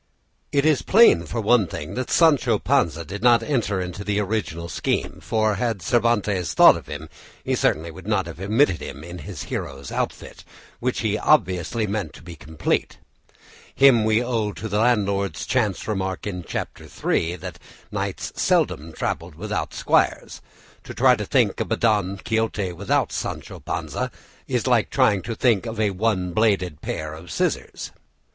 It is plain, for one thing, that Sancho Panza did not enter into the original scheme, for had Cervantes thought of him he certainly would not have omitted him in his hero's outfit, which he obviously meant to be complete. Him we owe to the landlord's chance remark in Chapter III that knights seldom travelled without squires. To try to think of a Don Quixote without Sancho Panza is like trying to think of a one bladed pair of scissors.